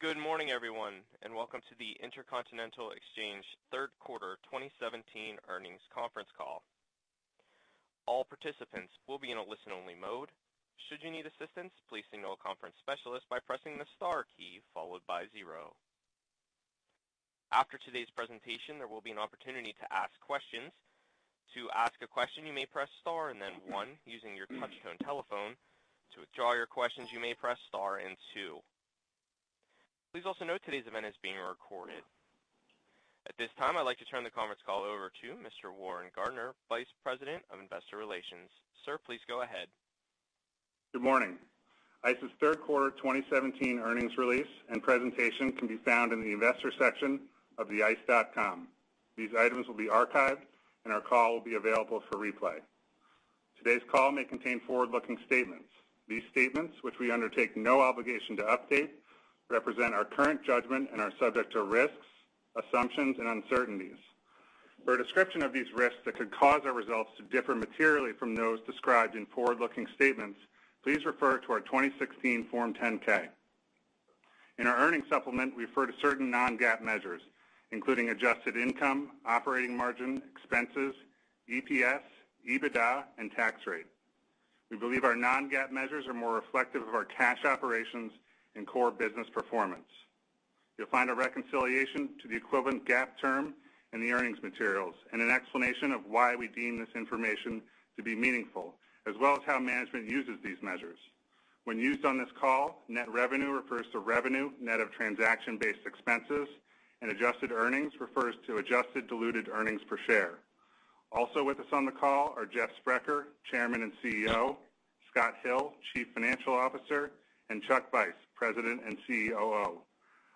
Good morning, everyone, and welcome to the Intercontinental Exchange third quarter 2017 earnings conference call. All participants will be in a listen-only mode. Should you need assistance, please signal a conference specialist by pressing the star key followed by zero. After today's presentation, there will be an opportunity to ask questions. To ask a question, you may press star and then one using your touch-tone telephone. To withdraw your questions, you may press star and two. Please also note today's event is being recorded. At this time, I'd like to turn the conference call over to Mr. Warren Gardiner, Vice President of Investor Relations. Sir, please go ahead. Good morning. ICE's third quarter 2017 earnings release and presentation can be found in the investor section of the ice.com. These items will be archived, and our call will be available for replay. Today's call may contain forward-looking statements. These statements, which we undertake no obligation to update, represent our current judgment and are subject to risks, assumptions, and uncertainties. For a description of these risks that could cause our results to differ materially from those described in forward-looking statements, please refer to our 2016 Form 10-K. In our earnings supplement, we refer to certain non-GAAP measures, including adjusted income, operating margin, expenses, EPS, EBITDA, and tax rate. We believe our non-GAAP measures are more reflective of our cash operations and core business performance. You'll find a reconciliation to the equivalent GAAP term in the earnings materials and an explanation of why we deem this information to be meaningful, as well as how management uses these measures. When used on this call, net revenue refers to revenue net of transaction-based expenses, and adjusted earnings refers to adjusted diluted earnings per share. Also with us on the call are Jeffrey Sprecher, Chairman and CEO, Scott Hill, Chief Financial Officer, and Charles Vice, President and COO.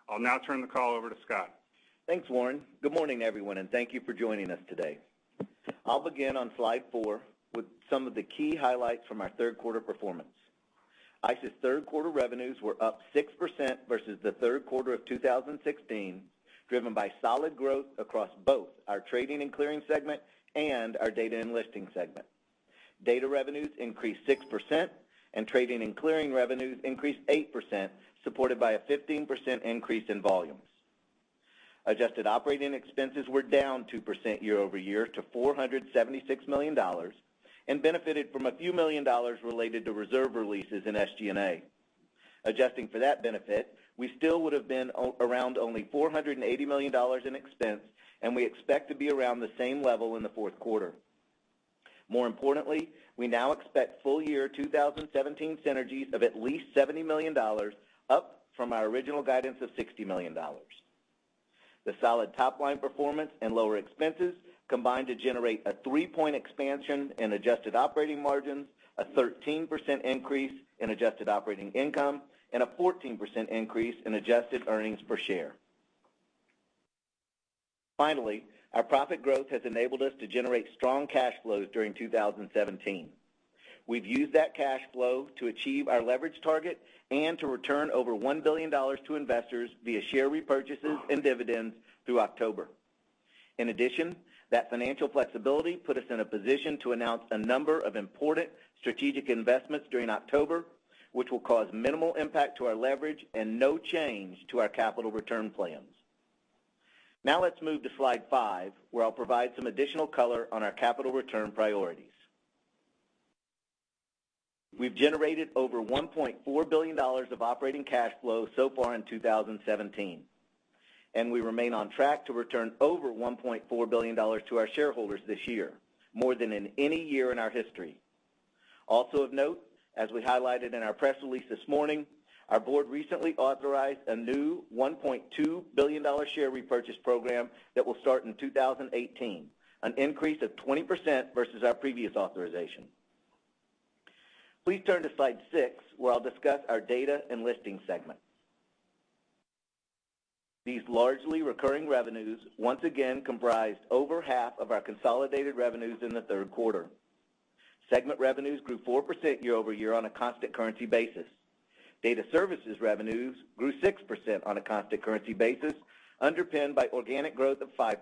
I'll now turn the call over to Scott. Thanks, Warren. Good morning, everyone, and thank you for joining us today. I'll begin on slide four with some of the key highlights from our third quarter performance. ICE's third quarter revenues were up 6% versus the third quarter of 2016, driven by solid growth across both our trading and clearing segment and our data and listing segment. Data revenues increased 6%, and trading and clearing revenues increased 8%, supported by a 15% increase in volumes. Adjusted operating expenses were down 2% year-over-year to $476 million and benefited from a few million dollars related to reserve releases in SG&A. Adjusting for that benefit, we still would've been around only $480 million in expense, and we expect to be around the same level in the fourth quarter. More importantly, we now expect full year 2017 synergies of at least $70 million, up from our original guidance of $60 million. The solid top-line performance and lower expenses combined to generate a three-point expansion in adjusted operating margins, a 13% increase in adjusted operating income, and a 14% increase in adjusted earnings per share. Finally, our profit growth has enabled us to generate strong cash flows during 2017. We've used that cash flow to achieve our leverage target and to return over $1 billion to investors via share repurchases and dividends through October. In addition, that financial flexibility put us in a position to announce a number of important strategic investments during October, which will cause minimal impact to our leverage and no change to our capital return plans. Let's move to slide five, where I'll provide some additional color on our capital return priorities. We've generated over $1.4 billion of operating cash flow so far in 2017, and we remain on track to return over $1.4 billion to our shareholders this year, more than in any year in our history. Also of note, as we highlighted in our press release this morning, our board recently authorized a new $1.2 billion share repurchase program that will start in 2018, an increase of 20% versus our previous authorization. Please turn to slide six, where I'll discuss our data and listing segment. These largely recurring revenues once again comprised over half of our consolidated revenues in the third quarter. Segment revenues grew 4% year-over-year on a constant currency basis. Data services revenues grew 6% on a constant currency basis, underpinned by organic growth of 5%.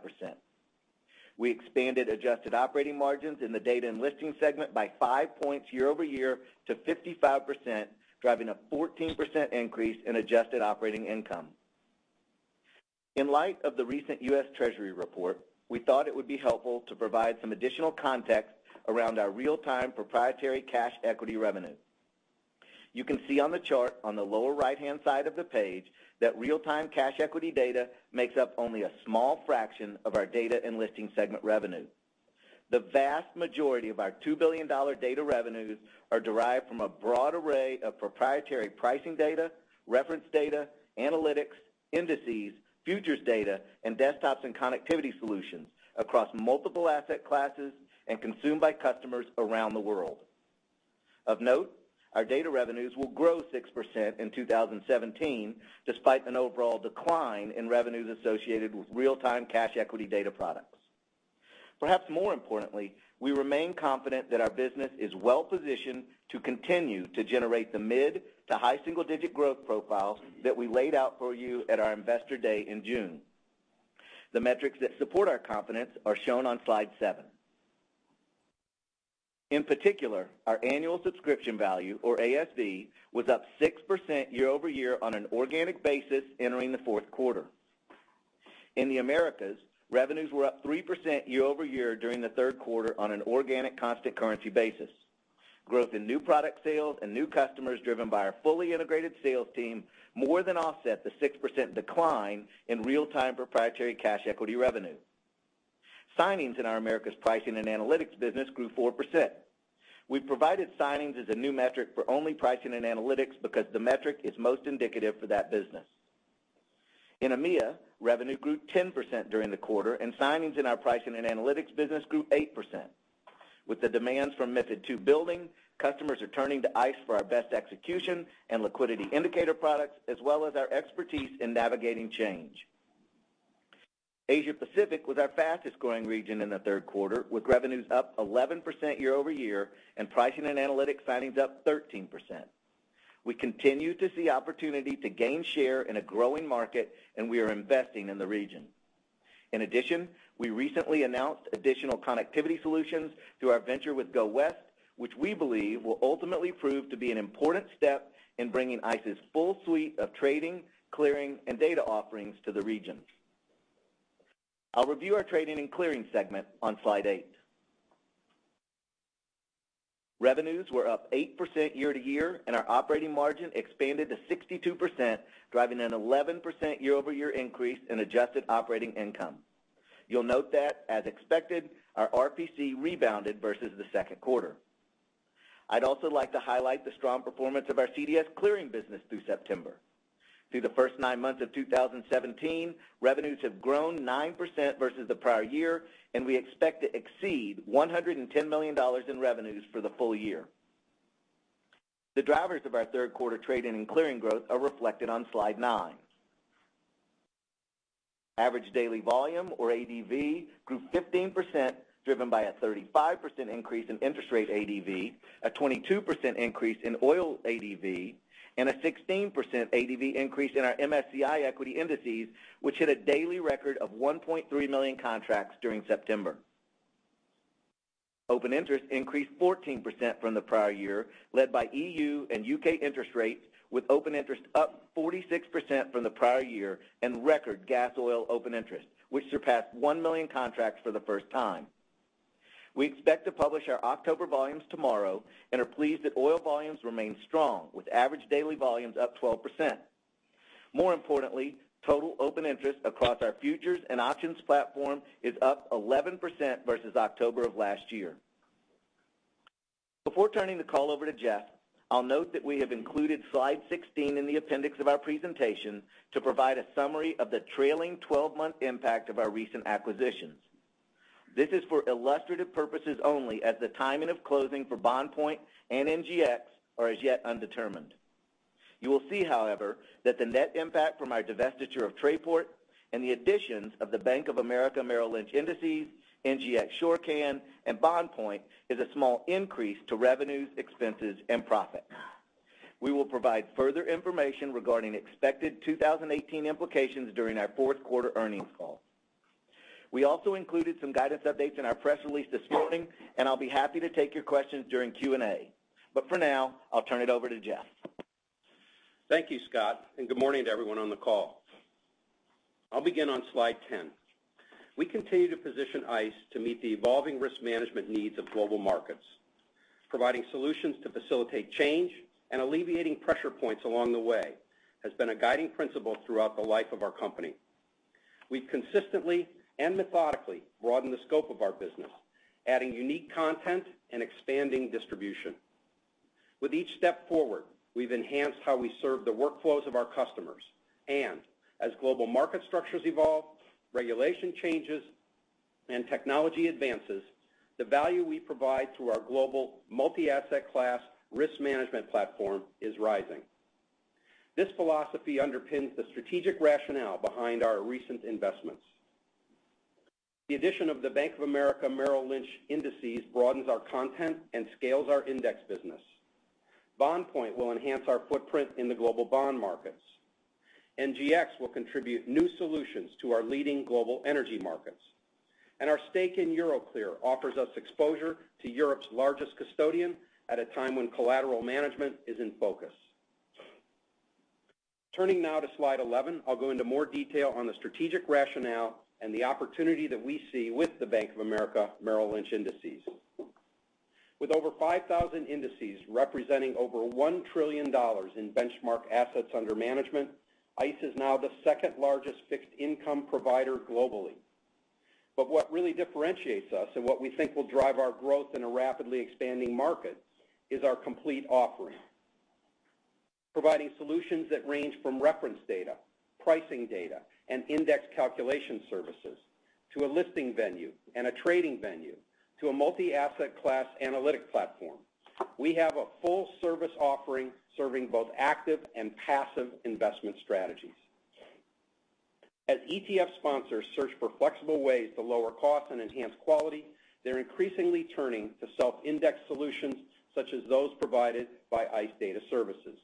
We expanded adjusted operating margins in the data and listing segment by five points year-over-year to 55%, driving a 14% increase in adjusted operating income. In light of the recent U.S. Treasury report, we thought it would be helpful to provide some additional context around our real-time proprietary cash equity revenue. You can see on the chart on the lower right-hand side of the page that real-time cash equity data makes up only a small fraction of our data and listing segment revenue. The vast majority of our $2 billion data revenues are derived from a broad array of proprietary pricing data, reference data, analytics, indices, futures data, and desktops and connectivity solutions across multiple asset classes and consumed by customers around the world. Of note, our data revenues will grow 6% in 2017, despite an overall decline in revenues associated with real-time cash equity data products. Perhaps more importantly, we remain confident that our business is well-positioned to continue to generate the mid- to high-single-digit growth profiles that we laid out for you at our investor day in June. The metrics that support our confidence are shown on slide seven. In particular, our annual subscription value, or ASV, was up 6% year-over-year on an organic basis entering the fourth quarter. In the Americas, revenues were up 3% year-over-year during the third quarter on an organic constant currency basis. Growth in new product sales and new customers driven by our fully integrated sales team more than offset the 6% decline in real-time proprietary cash equity revenue. Signings in our Americas pricing and analytics business grew 4%. We provided signings as a new metric for only pricing and analytics because the metric is most indicative for that business. In EMEA, revenue grew 10% during the quarter, and signings in our pricing and analytics business grew 8%. With the demands from MiFID II building, customers are turning to ICE for our best execution and liquidity indicator products, as well as our expertise in navigating change. Asia Pacific was our fastest-growing region in the third quarter, with revenues up 11% year-over-year and pricing and analytic signings up 13%. We continue to see opportunity to gain share in a growing market, and we are investing in the region. In addition, we recently announced additional connectivity solutions through our venture with GO West, which we believe will ultimately prove to be an important step in bringing ICE's full suite of trading, clearing, and data offerings to the region. I'll review our trading and clearing segment on slide eight. Revenues were up 8% year-over-year, and our operating margin expanded to 62%, driving an 11% year-over-year increase in adjusted operating income. You'll note that, as expected, our RPC rebounded versus the second quarter. I'd also like to highlight the strong performance of our CDS clearing business through September. Through the first nine months of 2017, revenues have grown 9% versus the prior year, and we expect to exceed $110 million in revenues for the full year. The drivers of our third quarter trade and clearing growth are reflected on Slide nine. Average daily volume, or ADV, grew 15%, driven by a 35% increase in interest rate ADV, a 22% increase in oil ADV, and a 16% ADV increase in our MSCI equity indices, which hit a daily record of 1.3 million contracts during September. Open interest increased 14% from the prior year, led by E.U. and U.K. interest rates, with open interest up 46% from the prior year, and record Gas Oil open interest, which surpassed one million contracts for the first time. We expect to publish our October volumes tomorrow and are pleased that oil volumes remain strong, with average daily volumes up 12%. More importantly, total open interest across our futures and options platform is up 11% versus October of last year. Before turning the call over to Jeff, I'll note that we have included Slide 16 in the appendix of our presentation to provide a summary of the trailing 12-month impact of our recent acquisitions. This is for illustrative purposes only, as the timing of closing for BondPoint and NGX are as yet undetermined. You will see, however, that the net impact from our divestiture of Trayport and the additions of the Bank of America Merrill Lynch indices, NGX Shorcan, and BondPoint is a small increase to revenues, expenses, and profit. We will provide further information regarding expected 2018 implications during our fourth-quarter earnings call. We also included some guidance updates in our press release this morning, and I'll be happy to take your questions during Q&A. For now, I'll turn it over to Jeff. Thank you, Scott, and good morning to everyone on the call. I'll begin on slide 10. We continue to position ICE to meet the evolving risk management needs of global markets. Providing solutions to facilitate change and alleviating pressure points along the way has been a guiding principle throughout the life of our company. We've consistently and methodically broadened the scope of our business, adding unique content and expanding distribution. With each step forward, we've enhanced how we serve the workflows of our customers. As global market structures evolve, regulation changes, and technology advances, the value we provide through our global multi-asset class risk management platform is rising. This philosophy underpins the strategic rationale behind our recent investments. The addition of the Bank of America Merrill Lynch indices broadens our content and scales our index business. Bondpoint will enhance our footprint in the global bond markets. NGX will contribute new solutions to our leading global energy markets. Our stake in Euroclear offers us exposure to Europe's largest custodian at a time when collateral management is in focus. Turning now to slide 11, I'll go into more detail on the strategic rationale and the opportunity that we see with the Bank of America Merrill Lynch indices. With over 5,000 indices representing over $1 trillion in benchmark assets under management, ICE is now the second-largest fixed income provider globally. What really differentiates us and what we think will drive our growth in a rapidly expanding market is our complete offering. Providing solutions that range from reference data, pricing data, and index calculation services, to a listing venue and a trading venue, to a multi-asset class analytic platform. We have a full-service offering serving both active and passive investment strategies. As ETF sponsors search for flexible ways to lower costs and enhance quality, they're increasingly turning to self-index solutions such as those provided by ICE Data Services.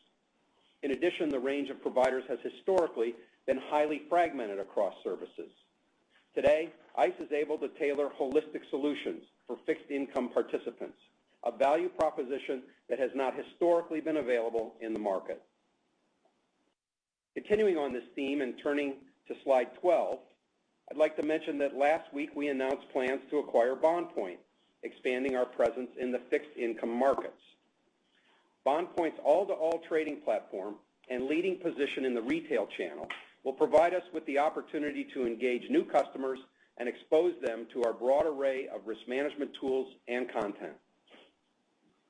In addition, the range of providers has historically been highly fragmented across services. Today, ICE is able to tailor holistic solutions for fixed income participants, a value proposition that has not historically been available in the market. Continuing on this theme and turning to slide 12, I'd like to mention that last week we announced plans to acquire Bond Point, expanding our presence in the fixed income markets. Bond Point's all-to-all trading platform and leading position in the retail channel will provide us with the opportunity to engage new customers and expose them to our broad array of risk management tools and content.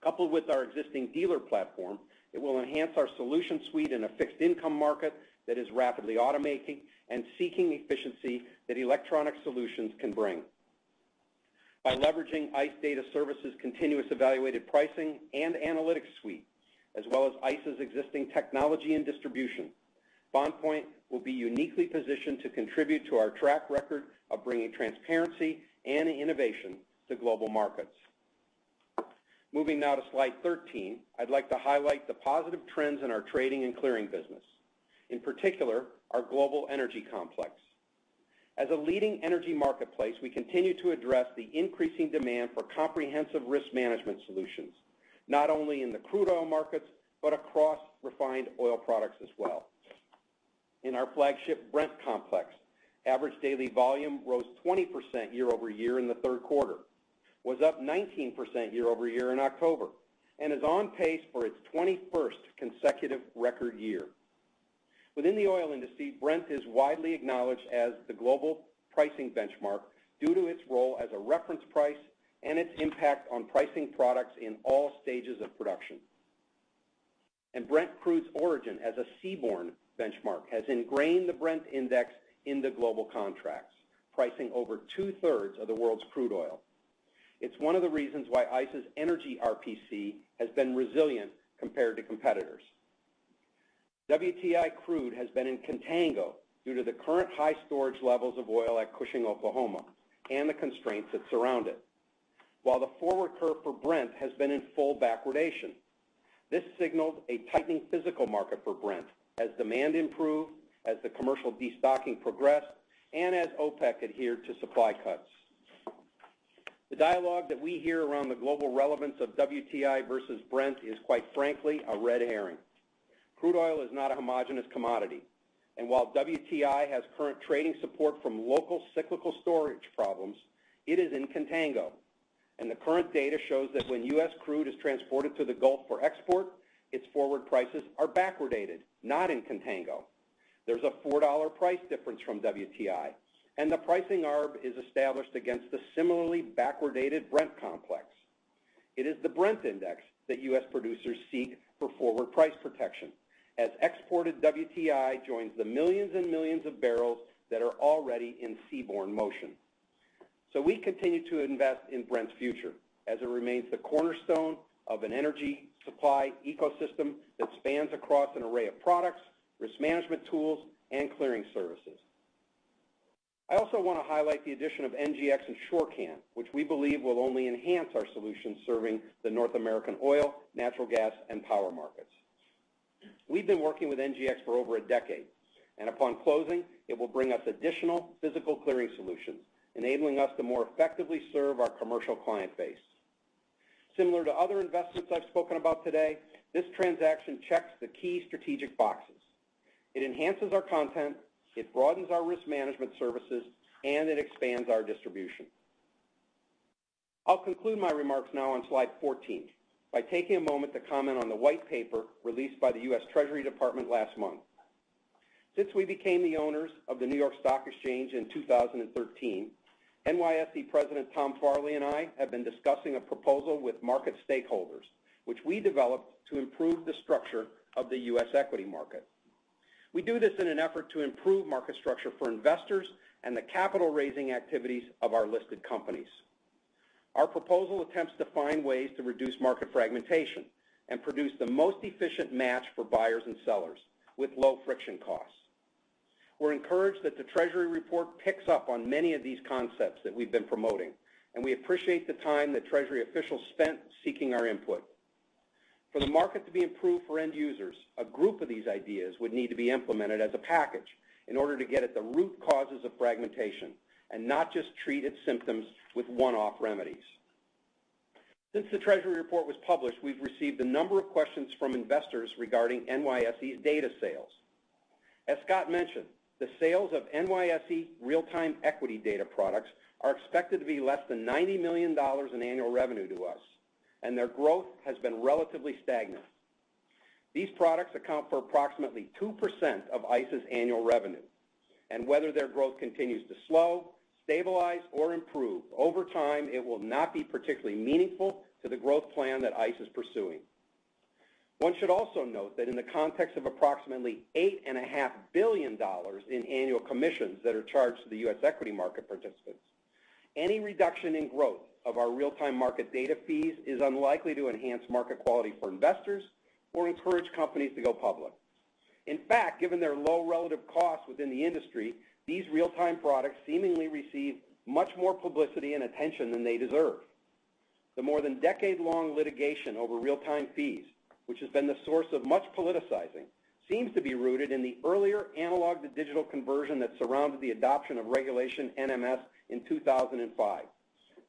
Coupled with our existing dealer platform, it will enhance our solution suite in a fixed income market that is rapidly automating and seeking efficiency that electronic solutions can bring. By leveraging ICE Data Services' continuous evaluated pricing and analytics suite, as well as ICE's existing technology and distribution, Bond Point will be uniquely positioned to contribute to our track record of bringing transparency and innovation to global markets. Moving now to slide 13, I'd like to highlight the positive trends in our trading and clearing business, in particular, our global energy complex. As a leading energy marketplace, we continue to address the increasing demand for comprehensive risk management solutions, not only in the crude oil markets, but across refined oil products as well. In our flagship Brent complex, average daily volume rose 20% year-over-year in the third quarter, was up 19% year-over-year in October, and is on pace for its 21st consecutive record year. Within the oil industry, Brent is widely acknowledged as the global pricing benchmark due to its role as a reference price and its impact on pricing products in all stages of production. Brent crude's origin as a seaborne benchmark has ingrained the Brent index into global contracts, pricing over two-thirds of the world's crude oil. It's one of the reasons why ICE's energy RPC has been resilient compared to competitors. WTI crude has been in contango due to the current high storage levels of oil at Cushing, Oklahoma, and the constraints that surround it. While the forward curve for Brent has been in full backwardation. This signals a tightening physical market for Brent as demand improved, as the commercial destocking progressed, and as OPEC adhered to supply cuts. The dialogue that we hear around the global relevance of WTI versus Brent is, quite frankly, a red herring. Crude oil is not a homogenous commodity, and while WTI has current trading support from local cyclical storage problems, it is in contango, and the current data shows that when U.S. crude is transported to the Gulf for export, its forward prices are backwardated, not in contango. There's a $4 price difference from WTI, and the pricing arb is established against the similarly backwardated Brent complex. It is the Brent index that U.S. producers seek for forward price protection, as exported WTI joins the millions and millions of barrels that are already in seaborne motion. We continue to invest in Brent's future as it remains the cornerstone of an energy supply ecosystem that spans across an array of products, risk management tools, and clearing services. I also want to highlight the addition of NGX and Shorcan, which we believe will only enhance our solutions serving the North American oil, natural gas, and power markets. We've been working with NGX for over a decade, and upon closing, it will bring us additional physical clearing solutions, enabling us to more effectively serve our commercial client base. Similar to other investments I've spoken about today, this transaction checks the key strategic boxes. It enhances our content, it broadens our risk management services, and it expands our distribution. I'll conclude my remarks now on slide 14 by taking a moment to comment on the white paper released by the U.S. Treasury Department last month. Since we became the owners of the New York Stock Exchange in 2013, NYSE President Tom Farley and I have been discussing a proposal with market stakeholders, which we developed to improve the structure of the U.S. equity market. We do this in an effort to improve market structure for investors and the capital-raising activities of our listed companies. Our proposal attempts to find ways to reduce market fragmentation and produce the most efficient match for buyers and sellers with low friction costs. We're encouraged that the Treasury report picks up on many of these concepts that we've been promoting, and we appreciate the time that Treasury officials spent seeking our input. For the market to be improved for end users, a group of these ideas would need to be implemented as a package in order to get at the root causes of fragmentation and not just treat its symptoms with one-off remedies. Since the Treasury report was published, we've received a number of questions from investors regarding NYSE's data sales. As Scott mentioned, the sales of NYSE real-time equity data products are expected to be less than $90 million in annual revenue to us, and their growth has been relatively stagnant. These products account for approximately 2% of ICE's annual revenue, and whether their growth continues to slow, stabilize, or improve, over time, it will not be particularly meaningful to the growth plan that ICE is pursuing. One should also note that in the context of approximately $8.5 billion in annual commissions that are charged to the U.S. equity market participants, any reduction in growth of our real-time market data fees is unlikely to enhance market quality for investors or encourage companies to go public. In fact, given their low relative cost within the industry, these real-time products seemingly receive much more publicity and attention than they deserve. The more than decade-long litigation over real-time fees, which has been the source of much politicizing, seems to be rooted in the earlier analog-to-digital conversion that surrounded the adoption of Regulation NMS in 2005,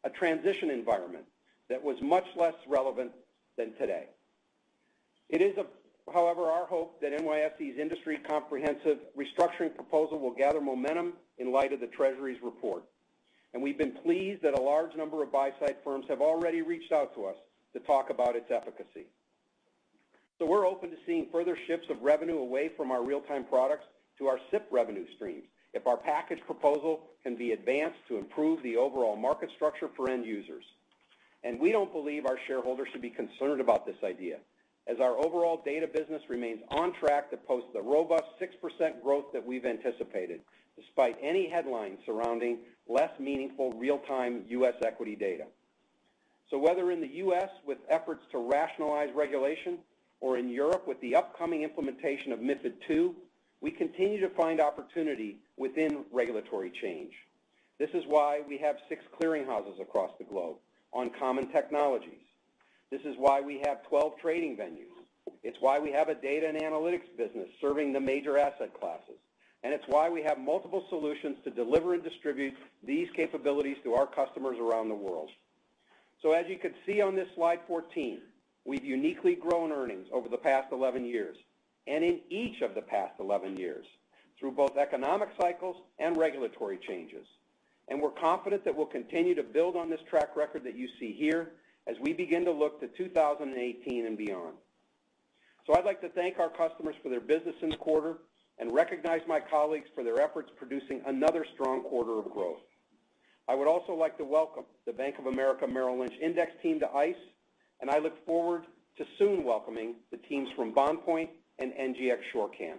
a transition environment that was much less relevant than today. It is, however, our hope that NYSE's industry comprehensive restructuring proposal will gather momentum in light of the Treasury's report, and we've been pleased that a large number of buy-side firms have already reached out to us to talk about its efficacy. We're open to seeing further shifts of revenue away from our real-time products to our SIP revenue streams if our package proposal can be advanced to improve the overall market structure for end users. We don't believe our shareholders should be concerned about this idea, as our overall data business remains on track to post the robust 6% growth that we've anticipated, despite any headlines surrounding less meaningful real-time U.S. equity data. Whether in the U.S. with efforts to rationalize regulation or in Europe with the upcoming implementation of MiFID II, we continue to find opportunity within regulatory change. This is why we have six clearing houses across the globe on common technologies. This is why we have 12 trading venues. It's why we have a data and analytics business serving the major asset classes, and it's why we have multiple solutions to deliver and distribute these capabilities to our customers around the world. As you can see on this slide 14, we've uniquely grown earnings over the past 11 years, and in each of the past 11 years, through both economic cycles and regulatory changes. We're confident that we'll continue to build on this track record that you see here as we begin to look to 2018 and beyond. I'd like to thank our customers for their business in the quarter and recognize my colleagues for their efforts producing another strong quarter of growth. I would also like to welcome the Bank of America Merrill Lynch index team to ICE, and I look forward to soon welcoming the teams from BondPoint and NGX Shorcan.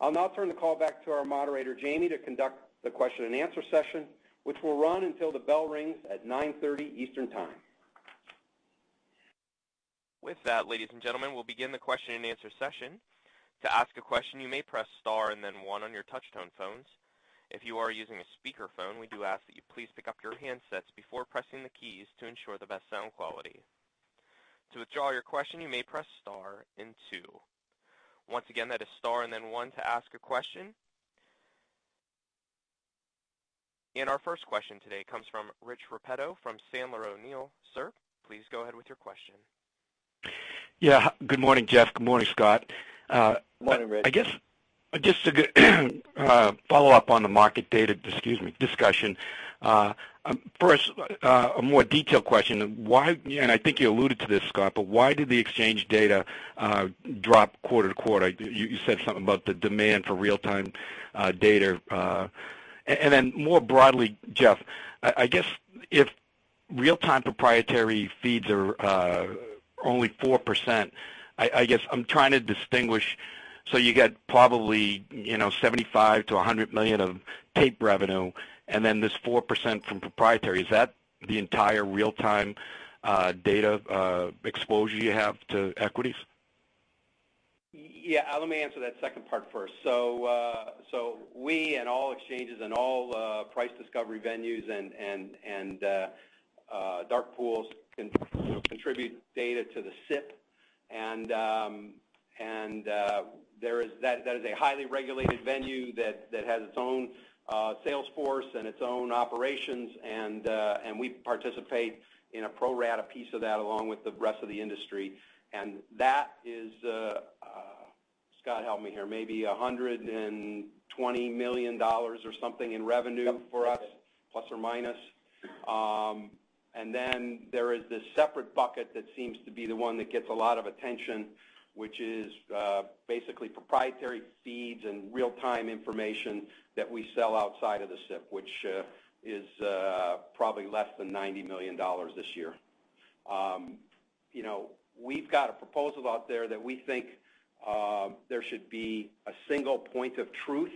I'll now turn the call back to our moderator, Jamie, to conduct the question and answer session, which will run until the bell rings at 9:30 A.M. Eastern Time. With that, ladies and gentlemen, we'll begin the question and answer session. To ask a question, you may press star and then one on your touch-tone phones. If you are using a speakerphone, we do ask that you please pick up your handsets before pressing the keys to ensure the best sound quality. To withdraw your question, you may press star and two. Once again, that is star and then one to ask a question. Our first question today comes from Rich Repetto from Sandler O'Neill. Sir, please go ahead with your question. Yeah. Good morning, Jeff. Good morning, Scott. Morning, Rich. I guess just to follow up on the market data, excuse me, discussion. First, a more detailed question, and I think you alluded to this, Scott, why did the exchange data drop quarter-over-quarter? You said something about the demand for real-time data. More broadly, Jeff, I guess if real-time proprietary feeds are only 4%, I guess I'm trying to distinguish, you get probably $75 million-$100 million of tape revenue and then this 4% from proprietary. Is that the entire real-time data exposure you have to equities? Yeah. Let me answer that second part first. We and all exchanges and all price discovery venues and dark pools contribute data to the SIP, and that is a highly regulated venue that has its own sales force and its own operations, and we participate in a pro rata piece of that along with the rest of the industry. That is, Scott, help me here, maybe $120 million or something in revenue for us, plus or minus. There is this separate bucket that seems to be the one that gets a lot of attention, which is basically proprietary feeds and real-time information that we sell outside of the SIP, which is probably less than $90 million this year. We've got a proposal out there that we think there should be a single point of truth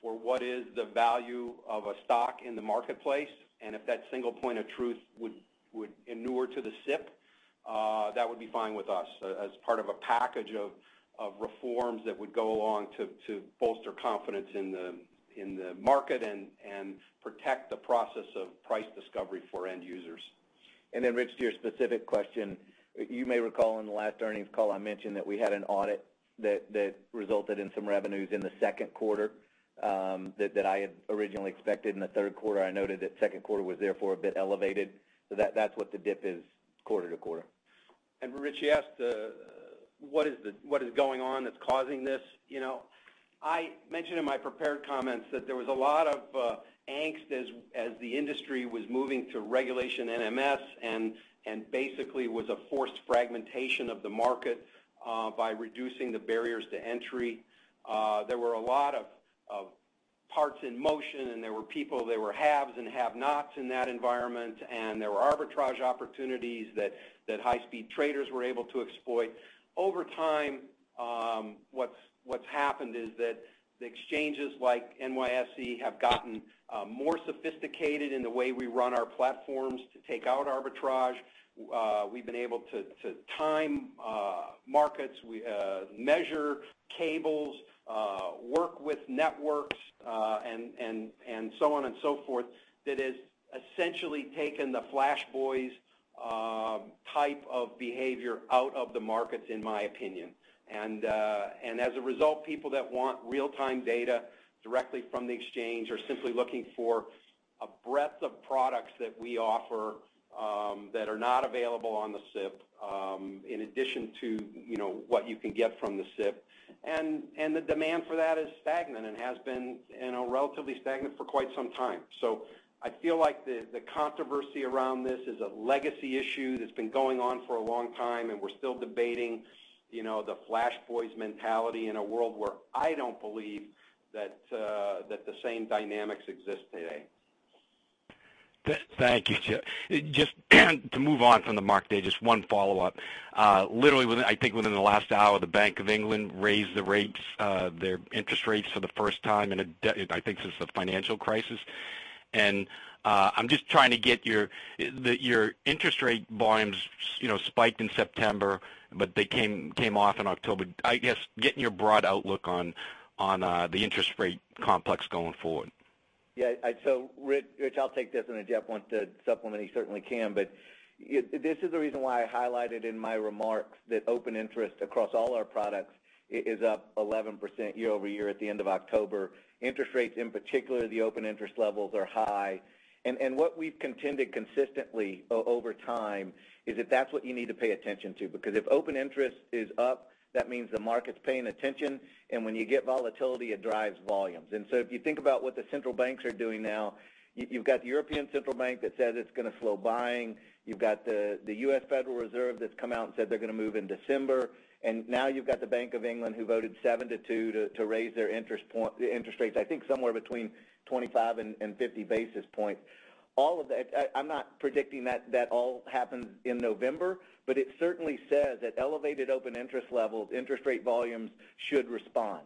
for what is the value of a stock in the marketplace, and if that single point of truth would inure to the SIP, that would be fine with us as part of a package of reforms that would go along to bolster confidence in the market and protect the process of price discovery for end users. Rich, to your specific question, you may recall in the last earnings call, I mentioned that we had an audit that resulted in some revenues in the second quarter that I had originally expected in the third quarter. I noted that second quarter was therefore a bit elevated. That's what the dip is quarter-over-quarter. Rich, you asked what is going on that's causing this. I mentioned in my prepared comments that there was a lot of angst as the industry was moving to Regulation NMS, and basically was a forced fragmentation of the market by reducing the barriers to entry. There were a lot of parts in motion, and there were people, there were haves and have-nots in that environment, and there were arbitrage opportunities that high-speed traders were able to exploit. Over time, what's happened is that the exchanges like NYSE have gotten more sophisticated in the way we run our platforms to take out arbitrage. We've been able to time markets, measure cables, work with networks, and so on and so forth, that has essentially taken the flash boys type of behavior out of the markets, in my opinion. As a result, people that want real-time data directly from the exchange are simply looking for a breadth of products that we offer that are not available on the SIP, in addition to what you can get from the SIP. The demand for that is stagnant and has been relatively stagnant for quite some time. I feel like the controversy around this is a legacy issue that's been going on for a long time, and we're still debating the flash boys mentality in a world where I don't believe that the same dynamics exist today. Thank you, Jeff. Just to move on from the market data, just one follow-up. Literally, I think within the last hour, the Bank of England raised their interest rates for the first time in, I think, since the financial crisis, and I'm just trying to get your interest rate volumes spiked in September, but they came off in October. I guess, getting your broad outlook on the interest rate complex going forward. Rich, I'll take this, and if Jeff wants to supplement, he certainly can. This is the reason why I highlighted in my remarks that open interest across all our products is up 11% year-over-year at the end of October. Interest rates in particular, the open interest levels are high. What we've contended consistently over time is that that's what you need to pay attention to, because if open interest is up, that means the market's paying attention. When you get volatility, it drives volumes. If you think about what the central banks are doing now, you've got the European Central Bank that says it's going to slow buying. You've got the Federal Reserve System that's come out and said they're going to move in December. Now you've got the Bank of England who voted seven to two to raise their interest rates, I think somewhere between 25 and 50 basis points. I'm not predicting that that all happens in November, but it certainly says that elevated open interest levels, interest rate volumes should respond.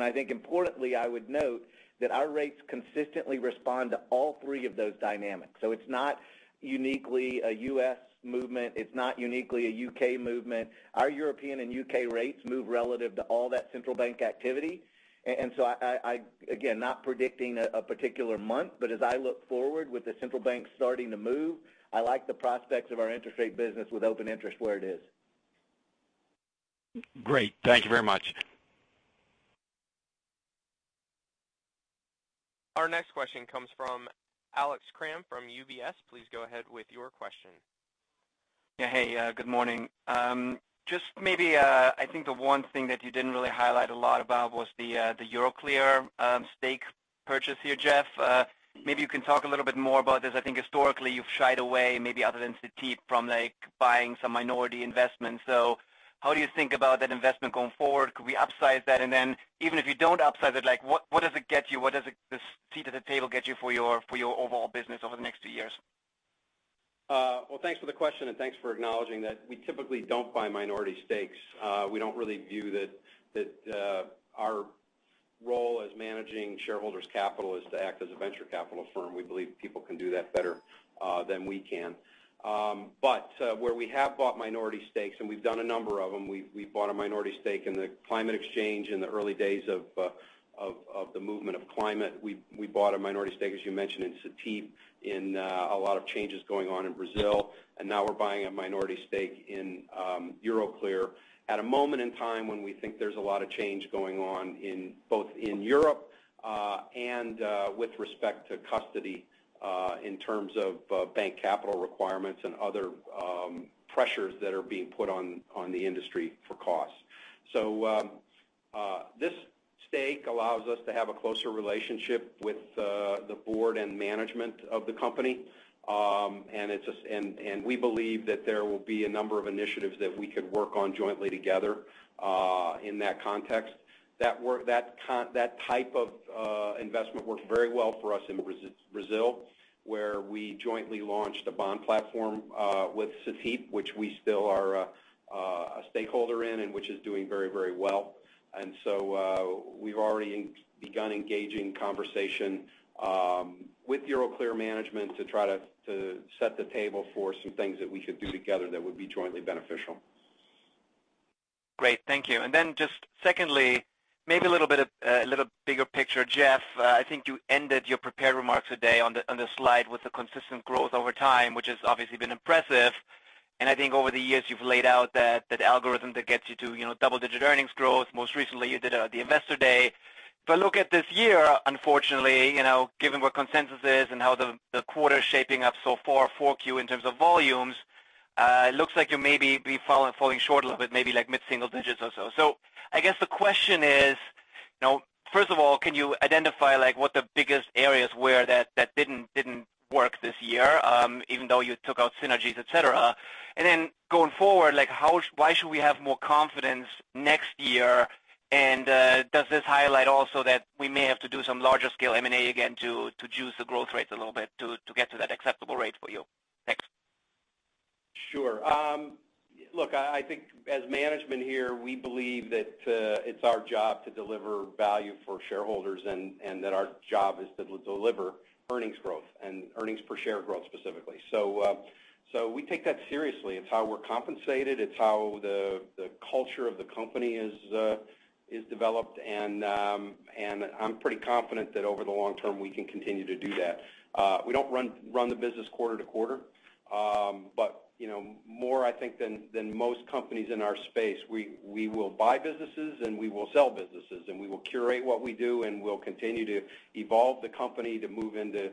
I think importantly, I would note that our rates consistently respond to all three of those dynamics. It's not uniquely a U.S. movement. It's not uniquely a U.K. movement. Our European and U.K. rates move relative to all that central bank activity. I, again, not predicting a particular month, but as I look forward with the central bank starting to move, I like the prospects of our interest rate business with open interest where it is. Great. Thank you very much. Our next question comes from Alex Kramm from UBS. Please go ahead with your question. Hey, good morning. I think the one thing that you didn't really highlight a lot about was the Euroclear stake purchase here, Jeff. You can talk a little bit more about this. I think historically you've shied away maybe other than Cetip from buying some minority investments. How do you think about that investment going forward? Could we upsize that? Even if you don't upsize it, what does it get you? What does the seat at the table get you for your overall business over the next two years? Thanks for the question, thanks for acknowledging that we typically don't buy minority stakes. We don't really view that our role as managing shareholders' capital is to act as a venture capital firm. We believe people can do that better than we can. Where we have bought minority stakes, and we've done a number of them, we bought a minority stake in the climate exchange in the early days of the movement of climate. We bought a minority stake, as you mentioned, in Cetip, in a lot of changes going on in Brazil. Now we're buying a minority stake in Euroclear at a moment in time when we think there's a lot of change going on both in Europe, and with respect to custody, in terms of bank capital requirements and other pressures that are being put on the industry for costs. This stake allows us to have a closer relationship with the board and management of the company. We believe that there will be a number of initiatives that we could work on jointly together, in that context. That type of investment worked very well for us in Brazil, where we jointly launched a bond platform, with Cetip, which we still are a stakeholder in and which is doing very well. We've already begun engaging conversation with Euroclear management to try to set the table for some things that we could do together that would be jointly beneficial. Great. Thank you. Just secondly, maybe a little bigger picture, Jeff, I think you ended your prepared remarks today on the slide with the consistent growth over time, which has obviously been impressive. I think over the years you've laid out that algorithm that gets you to double-digit earnings growth. Most recently you did at the investor day. If I look at this year, unfortunately, given what consensus is and how the quarter is shaping up so far, 4Q in terms of volumes, it looks like you may be falling short a little bit, maybe like mid-single digits or so. I guess the question is, first of all, can you identify what the biggest areas were that didn't work this year, even though you took out synergies, et cetera? Going forward, why should we have more confidence next year? Does this highlight also that we may have to do some larger scale M&A again to juice the growth rates a little bit to get to that acceptable rate for you? Thanks. Sure. Look, I think as management here, we believe that it's our job to deliver value for shareholders and that our job is to deliver earnings growth and earnings per share growth specifically. We take that seriously. It's how we're compensated, it's how the culture of the company is developed and I'm pretty confident that over the long term, we can continue to do that. We don't run the business quarter to quarter. More, I think, than most companies in our space, we will buy businesses and we will sell businesses, and we will curate what we do, and we'll continue to evolve the company to move into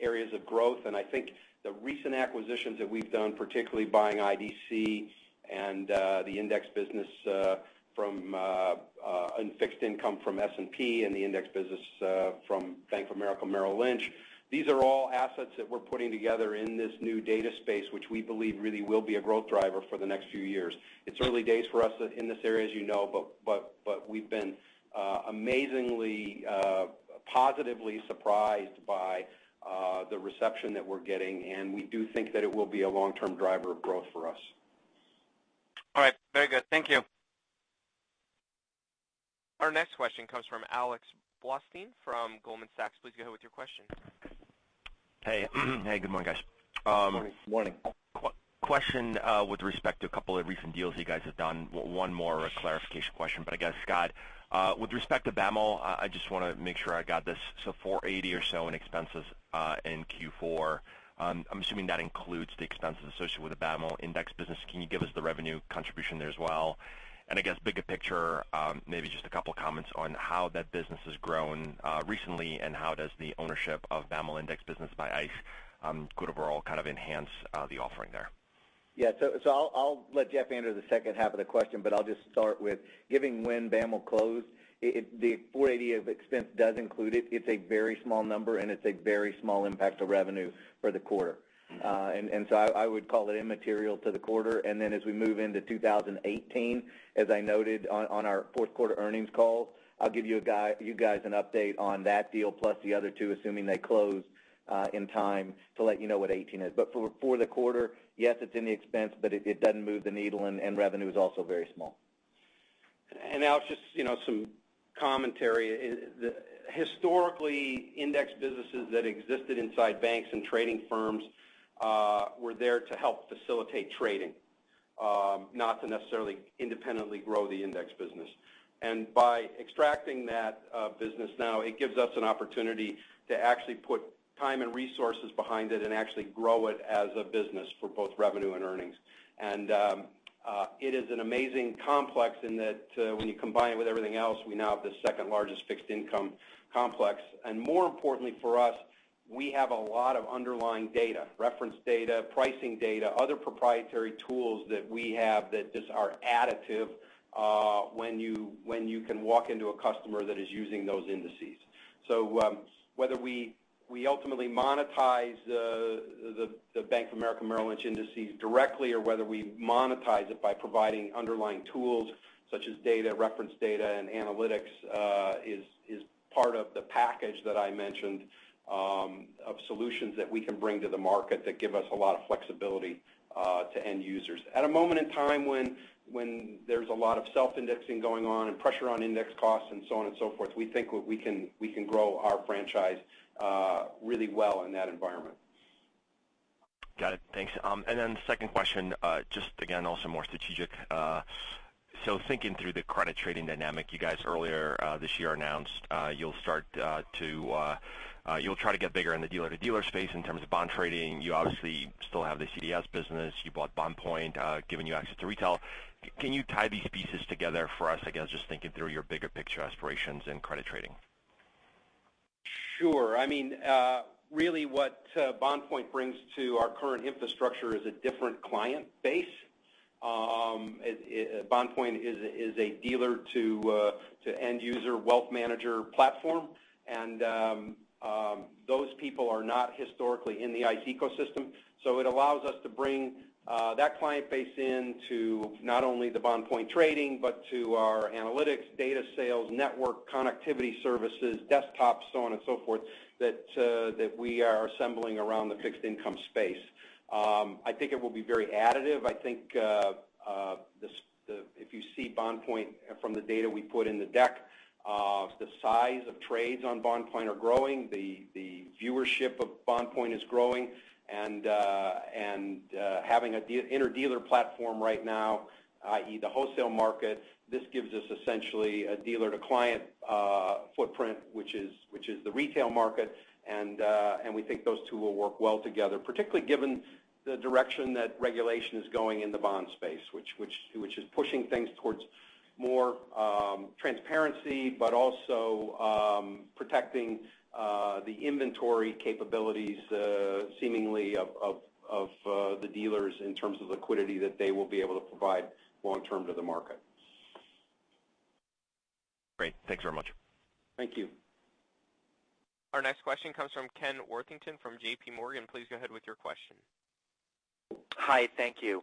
areas of growth. I think the recent acquisitions that we've done, particularly buying IDC and the index business from fixed income from S&P and the index business from Bank of America Merrill Lynch. These are all assets that we're putting together in this new data space, which we believe really will be a growth driver for the next few years. It's early days for us in this area, as you know, but we've been amazingly, positively surprised by the reception that we're getting, and we do think that it will be a long-term driver of growth for us. All right. Very good. Thank you. Our next question comes from Alexander Blostein from Goldman Sachs. Please go ahead with your question. Hey. Hey, good morning, guys. Good morning. Morning. Question with respect to a couple of recent deals you guys have done. One more clarification question, but I guess, Scott, with respect to BAML, I just want to make sure I got this. $480 or so in expenses, in Q4. I'm assuming that includes the expenses associated with the BAML index business. Can you give us the revenue contribution there as well? I guess bigger picture, maybe just a couple comments on how that business has grown recently and how does the ownership of BAML index business by ICE could overall kind of enhance the offering there? Yeah. I'll let Jeff answer the second half of the question, but I'll just start with giving when BAML closed, the $480 of expense does include it. It's a very small number, and it's a very small impact to revenue for the quarter. I would call it immaterial to the quarter. As we move into 2018, as I noted on our fourth quarter earnings call, I'll give you guys an update on that deal plus the other two, assuming they close in time to let you know what 2018 is. For the quarter, yes, it's in the expense, but it doesn't move the needle and revenue is also very small. Alex, just some commentary. Historically, index businesses that existed inside banks and trading firms were there to help facilitate trading, not to necessarily independently grow the index business. By extracting that business now, it gives us an opportunity to actually put time and resources behind it and actually grow it as a business for both revenue and earnings. It is an amazing complex in that when you combine it with everything else, we now have the second-largest fixed income complex. More importantly for us, we have a lot of underlying data. Reference data, pricing data, other proprietary tools that we have that just are additive when you can walk into a customer that is using those indices. Whether we ultimately monetize the Bank of America Merrill Lynch indices directly or whether we monetize it by providing underlying tools such as data, reference data, and analytics, is part of the package that I mentioned of solutions that we can bring to the market that give us a lot of flexibility to end users. At a moment in time when there's a lot of self-indexing going on and pressure on index costs and so on and so forth, we think we can grow our franchise really well in that environment. Got it. Thanks. Second question, just again, also more strategic. Thinking through the credit trading dynamic, you guys earlier this year announced you'll try to get bigger in the dealer-to-dealer space in terms of bond trading. You obviously still have the CDS business. You bought BondPoint, giving you access to retail. Can you tie these pieces together for us, I guess, just thinking through your bigger picture aspirations in credit trading? Sure. Really, what BondPoint brings to our current infrastructure is a different client base. BondPoint is a dealer-to-end user wealth manager platform. Those people are not historically in the ICE ecosystem. It allows us to bring that client base into not only the BondPoint trading, but to our analytics, data sales, network connectivity services, desktops, so on and so forth, that we are assembling around the fixed income space. I think it will be very additive. I think if you see BondPoint from the data we put in the deck, the size of trades on BondPoint are growing. The viewership of BondPoint is growing and having an inter-dealer platform right now, i.e. the wholesale market. This gives us essentially a dealer-to-client footprint, which is the retail market and we think those two will work well together, particularly given the direction that regulation is going in the bond space, which is pushing things towards more transparency, but also protecting the inventory capabilities seemingly of the dealers in terms of liquidity that they will be able to provide long-term to the market. Great. Thanks very much. Thank you. Our next question comes from Kenneth Worthington from JPMorgan. Please go ahead with your question. Hi. Thank you.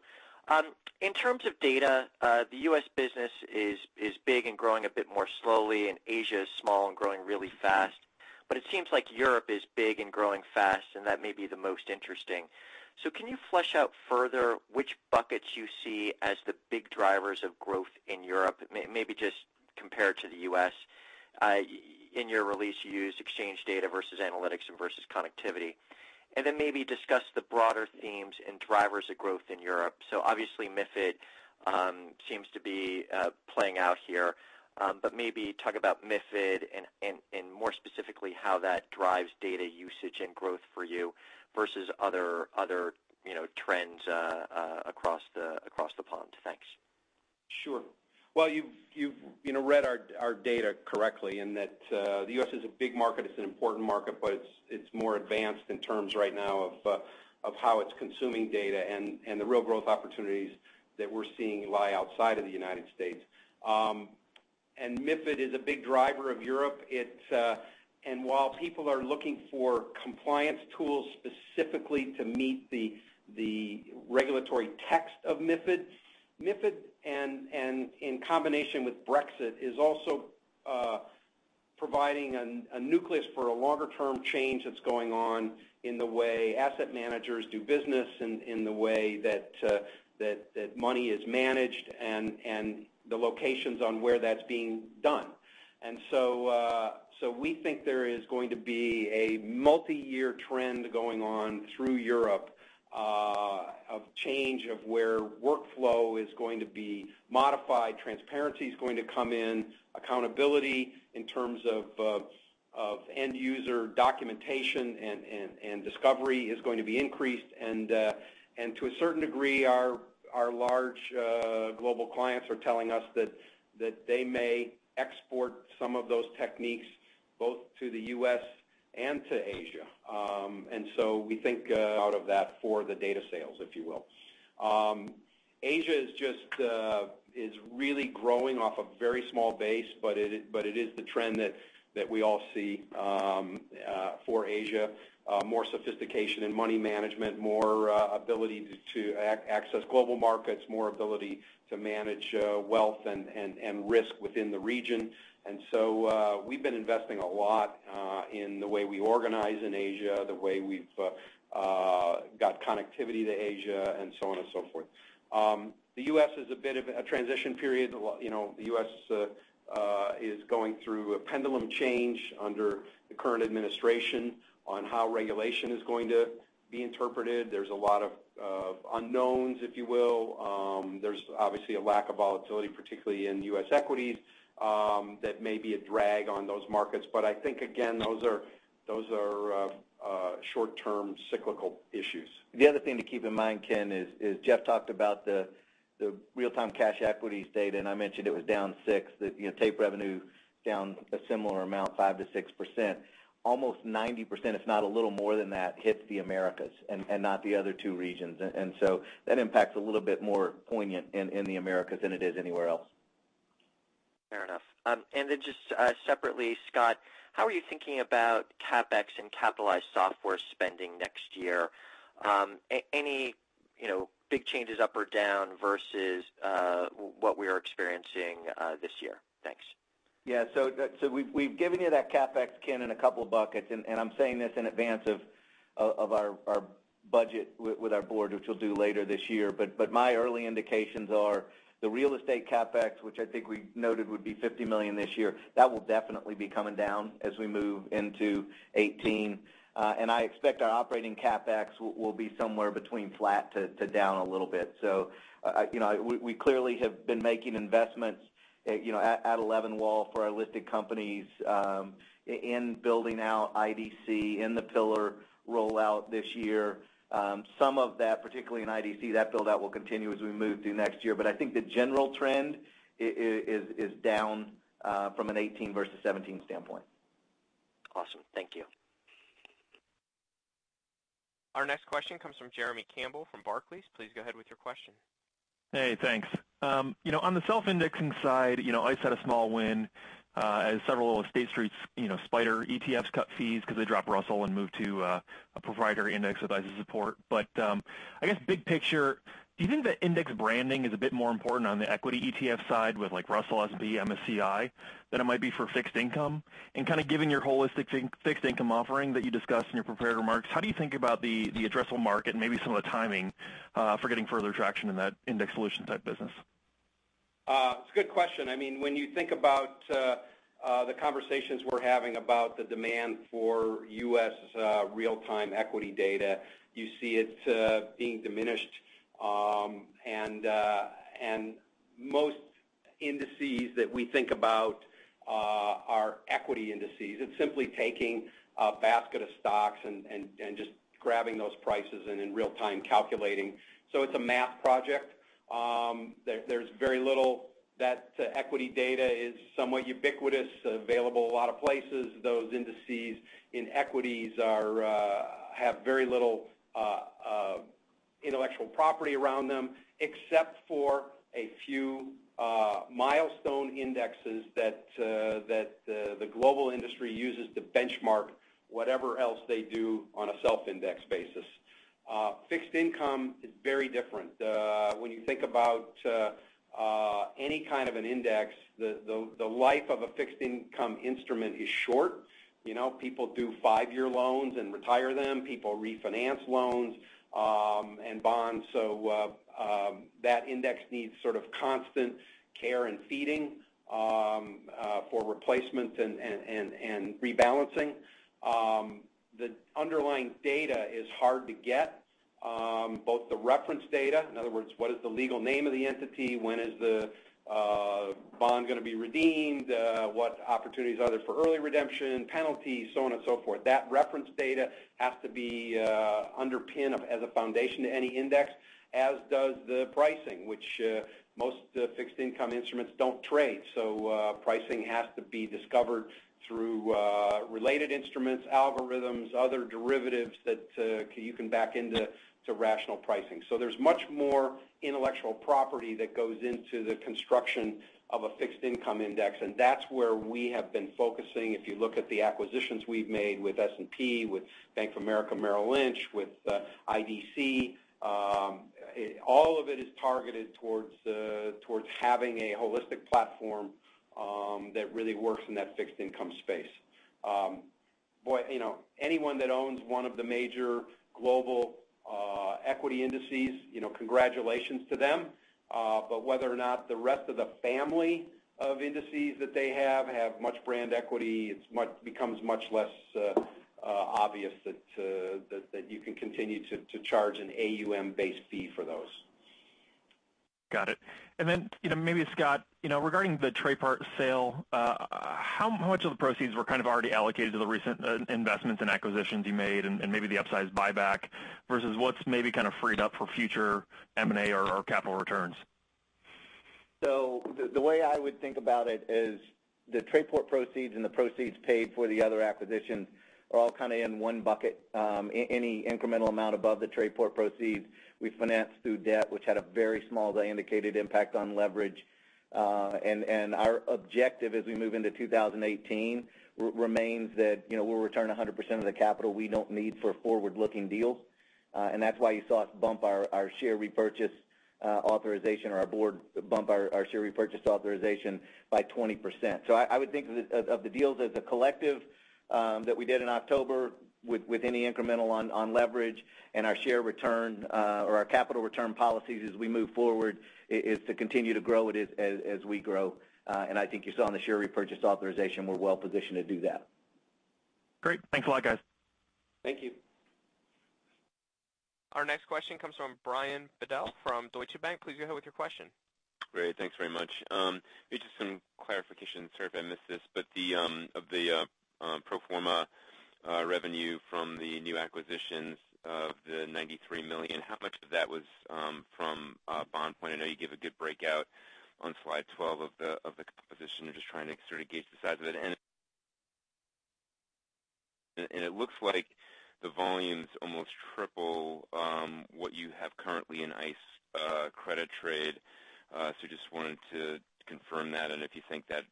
In terms of data, the U.S. business is big and growing a bit more slowly, Asia is small and growing really fast. It seems like Europe is big and growing fast, and that may be the most interesting. Can you flesh out further which buckets you see as the big drivers of growth in Europe, maybe just compare it to the U.S.? In your release, you used exchange data versus analytics and versus connectivity, then maybe discuss the broader themes and drivers of growth in Europe. Obviously, MiFID seems to be playing out here. Maybe talk about MiFID and more specifically how that drives data usage and growth for you versus other trends across the pond. Thanks. Sure. Well, you've read our data correctly, in that the U.S. is a big market. It's an important market, but it's more advanced in terms right now of how it's consuming data, and the real growth opportunities that we're seeing lie outside of the United States. MiFID is a big driver of Europe. While people are looking for compliance tools specifically to meet the regulatory text of MiFID, and in combination with Brexit, is also providing a nucleus for a longer-term change that's going on in the way asset managers do business, in the way that money is managed, and the locations on where that's being done. We think there is going to be a multi-year trend going on through Europe of change of where workflow is going to be modified, transparency's going to come in, accountability in terms of end-user documentation and discovery is going to be increased. To a certain degree, our large global clients are telling us that they may export some of those techniques both to the U.S. and to Asia. We think out of that for the data sales, if you will. Asia is really growing off a very small base, but it is the trend that we all see for Asia. More sophistication in money management, more ability to access global markets, more ability to manage wealth and risk within the region. We've been investing a lot in the way we organize in Asia, the way we've got connectivity to Asia, and so on and so forth. The U.S. is a bit of a transition period. The U.S. is going through a pendulum change under the current administration on how regulation is going to be interpreted. There's a lot of unknowns, if you will. There's obviously a lack of volatility, particularly in U.S. equities that may be a drag on those markets. I think, again, those are short-term cyclical issues. The other thing to keep in mind, Ken, is Jeff talked about the real-time cash equities data, I mentioned it was down 6%. The tape revenue down a similar amount, 5%-6%. Almost 90%, if not a little more than that, hits the Americas and not the other two regions. That impact's a little bit more poignant in the Americas than it is anywhere else. Fair enough. Then just separately, Scott, how are you thinking about CapEx and capitalized software spending next year? Any big changes up or down versus what we are experiencing this year? Thanks. We've given you that CapEx, Ken, in a couple of buckets, I'm saying this in advance of our budget with our board, which we'll do later this year. My early indications are the real estate CapEx, which I think we noted would be $50 million this year. That will definitely be coming down as we move into 2018. I expect our operating CapEx will be somewhere between flat to down a little bit. We clearly have been making investments at 11 Wall for our listed companies, in building out IDC, in the Pillar rollout this year. Some of that, particularly in IDC, that build-out will continue as we move through next year. I think the general trend is down from a 2018 versus 2017 standpoint. Awesome. Thank you. Our next question comes from Jeremy Campbell from Barclays. Please go ahead with your question. Hey, thanks. On the self-indexing side, ICE had a small win as several State Street SPDR ETFs cut fees because they dropped Russell and moved to a proprietary index with ICE's support. I guess big picture, do you think that index branding is a bit more important on the equity ETF side with Russell, S&P, MSCI, than it might be for fixed income? Given your holistic fixed income offering that you discussed in your prepared remarks, how do you think about the addressable market and maybe some of the timing for getting further traction in that index solution-type business? It's a good question. When you think about the conversations we're having about the demand for U.S. real-time equity data, you see it being diminished. Most indices that we think about are equity indices. It's simply taking a basket of stocks and just grabbing those prices and in real-time calculating. It's a math project. That equity data is somewhat ubiquitous, available a lot of places. Those indices in equities have very little intellectual property around them, except for a few milestone indexes that the global industry uses to benchmark whatever else they do on a self-index basis. Fixed income is very different. When you think about any kind of an index, the life of a fixed income instrument is short. People do five-year loans and retire them. People refinance loans and bonds. That index needs constant care and feeding for replacements and rebalancing. The underlying data is hard to get, both the reference data. In other words, what is the legal name of the entity? When is the bond going to be redeemed? What opportunities are there for early redemption, penalties, so on and so forth? That reference data has to be underpinned as a foundation to any index, as does the pricing, which most fixed income instruments don't trade. Pricing has to be discovered through related instruments, algorithms, other derivatives that you can back into rational pricing. There's much more intellectual property that goes into the construction of a fixed income index, and that's where we have been focusing. If you look at the acquisitions we've made with S&P, with Bank of America Merrill Lynch, with IDC, all of it is targeted towards having a holistic platform that really works in that fixed income space. Anyone that owns one of the major global equity indices, congratulations to them. Whether or not the rest of the family of indices that they have much brand equity, it becomes much less obvious that you can continue to charge an AUM-based fee for those. Got it. Maybe Scott, regarding the Trayport sale, how much of the proceeds were already allocated to the recent investments and acquisitions you made, and maybe the upsized buyback, versus what's maybe freed up for future M&A or capital returns? The way I would think about it is the Trayport proceeds and the proceeds paid for the other acquisitions are all in one bucket. Any incremental amount above the Trayport proceeds we financed through debt, which had a very small indicated impact on leverage. Our objective as we move into 2018 remains that we'll return 100% of the capital we don't need for forward-looking deals. That's why you saw us bump our share repurchase authorization, or our board bump our share repurchase authorization by 20%. I would think of the deals as a collective that we did in October with any incremental on leverage and our share return or our capital return policies as we move forward is to continue to grow it as we grow. I think you saw in the share repurchase authorization, we're well-positioned to do that. Great. Thanks a lot, guys. Thank you. Our next question comes from Brian Bedell from Deutsche Bank. Please go ahead with your question. Great. Thanks very much. Maybe just some clarification. Sorry if I missed this, of the pro forma revenue from the new acquisitions of the $93 million, how much of that was from ICE BondPoint? I know you give a good breakout on slide 12 of the composition. I'm just trying to sort of gauge the size of it. It looks like the volume's almost triple what you have currently in ICE Credit Trade. Just wanted to confirm that, and if you think that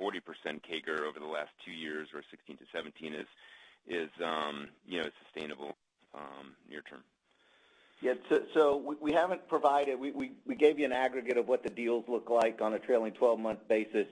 40% CAGR over the last two years or 2016 to 2017 is sustainable near-term. We gave you an aggregate of what the deals look like on a trailing 12-month basis.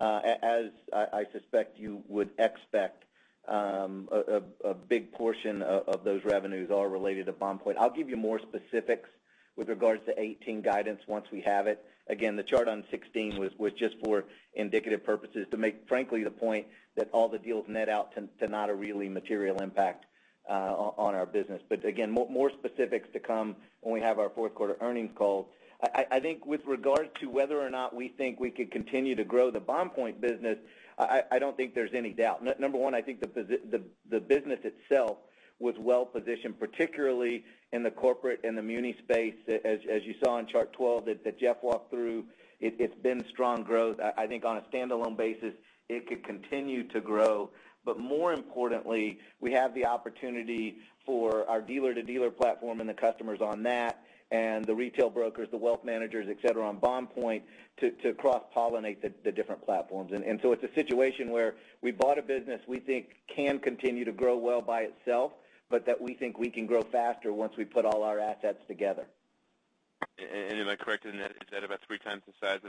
As I suspect you would expect, a big portion of those revenues are related to ICE BondPoint. I'll give you more specifics with regards to 2018 guidance once we have it. Again, the chart on 16 was just for indicative purposes to make, frankly, the point that all the deals net out to not a really material impact on our business. Again, more specifics to come when we have our fourth-quarter earnings call. I think with regards to whether or not we think we could continue to grow the ICE BondPoint business, I don't think there's any doubt. Number one, I think the business itself was well-positioned, particularly in the corporate and the muni space, as you saw on chart 12 that Jeff walked through. It's been strong growth. I think on a standalone basis, it could continue to grow. More importantly, we have the opportunity for our dealer-to-dealer platform and the customers on that and the retail brokers, the wealth managers, et cetera, on ICE BondPoint to cross-pollinate the different platforms. It's a situation where we bought a business we think can continue to grow well by itself, that we think we can grow faster once we put all our assets together. Am I correct in that? Is that about three times the size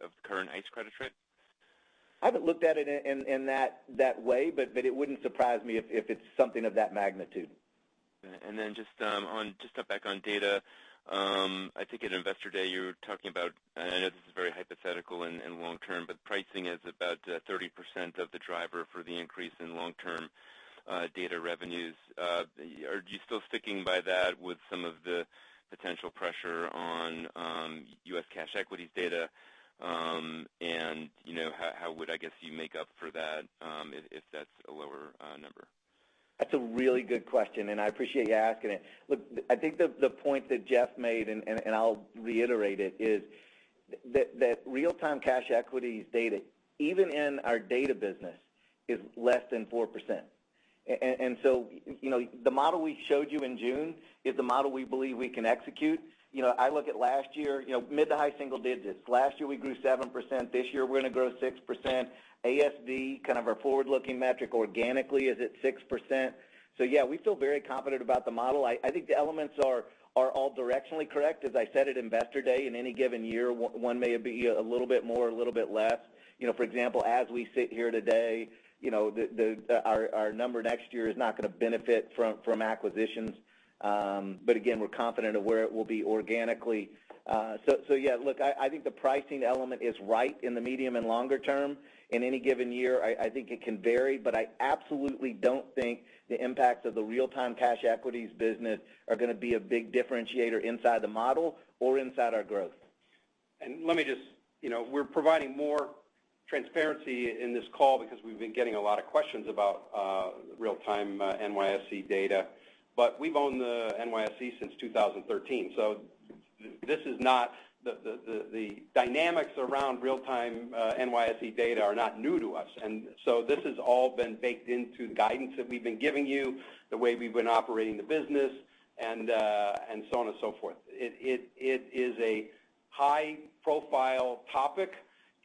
of current ICE Credit Trade? I haven't looked at it in that way, it wouldn't surprise me if it's something of that magnitude. Just to step back on data. I think at Investor Day, you were talking about, and I know this is very hypothetical and long-term, but pricing is about 30% of the driver for the increase in long-term data revenues. Are you still sticking by that with some of the potential pressure on U.S. cash equities data? How would you make up for that if that's a lower number? That's a really good question. I appreciate you asking it. Look, I think the point that Jeff made, I'll reiterate it, is that real-time cash equities data, even in our data business, is less than 4%. The model we showed you in June is the model we believe we can execute. I look at last year, mid to high single digits. Last year we grew 7%, this year we're going to grow 6%. ASV, kind of our forward-looking metric organically is at 6%. Yeah, we feel very confident about the model. I think the elements are all directionally correct. As I said at Investor Day, in any given year, one may be a little bit more or a little bit less. For example, as we sit here today, our number next year is not going to benefit from acquisitions. Again, we're confident of where it will be organically. Yeah, look, I think the pricing element is right in the medium and longer term. In any given year, I think it can vary, I absolutely don't think the impacts of the real-time cash equities business are going to be a big differentiator inside the model or inside our growth. We're providing more transparency in this call because we've been getting a lot of questions about real-time NYSE data. We've owned the NYSE since 2013, so the dynamics around real-time NYSE data are not new to us. This has all been baked into the guidance that we've been giving you, the way we've been operating the business, and so on and so forth. It is a high-profile topic.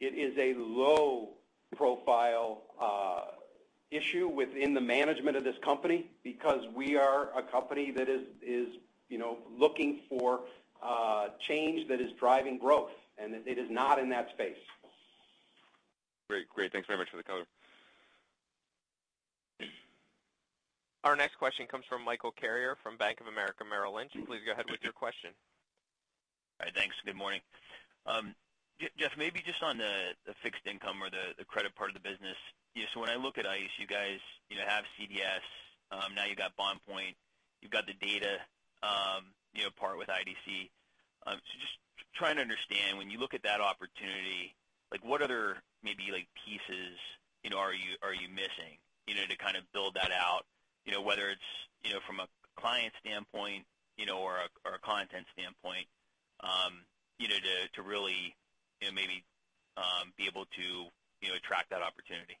It is a low-profile issue within the management of this company because we are a company that is looking for change that is driving growth, and it is not in that space. Great. Thanks very much for the color. Our next question comes from Michael Carrier from Bank of America Merrill Lynch. Please go ahead with your question. All right. Thanks. Good morning. Jeff, maybe just on the fixed income or the credit part of the business. When I look at ICE, you guys have CDS, now you've got BondPoint, you've got the data part with IDC. Just trying to understand, when you look at that opportunity, what other maybe pieces are you missing to kind of build that out, whether it's from a client standpoint or a content standpoint, to really maybe be able to attract that opportunity?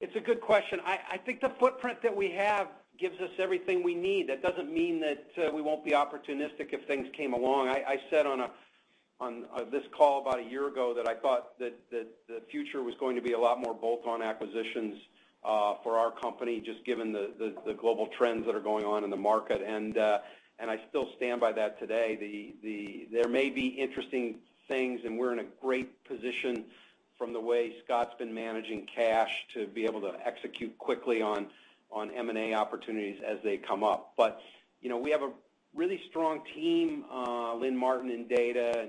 It's a good question. I think the footprint that we have gives us everything we need. That doesn't mean that we won't be opportunistic if things came along. I said on this call about a year ago that I thought that the future was going to be a lot more bolt-on acquisitions for our company, just given the global trends that are going on in the market. I still stand by that today. There may be interesting things, and we're in a great position from the way Scott's been managing cash to be able to execute quickly on M&A opportunities as they come up. We have a really strong team, Lynn Martin in Data,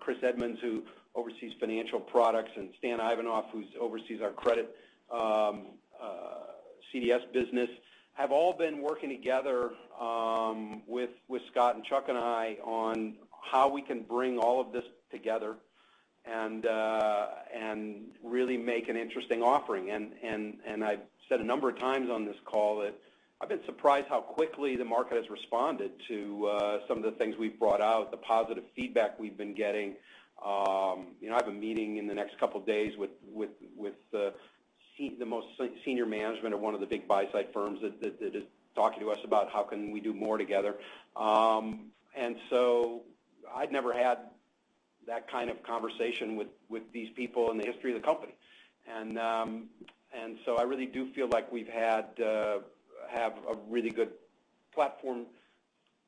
Christopher Edmonds, who oversees Financial Products, Stanislav Ivanov, who oversees our credit CDS business, have all been working together with Scott and Chuck and I on how we can bring all of this together and really make an interesting offering. I've said a number of times on this call that I've been surprised how quickly the market has responded to some of the things we've brought out, the positive feedback we've been getting. I have a meeting in the next couple of days with the most senior management of one of the big buy-side firms that is talking to us about how can we do more together. I'd never had that kind of conversation with these people in the history of the company. I really do feel like we have a really good platform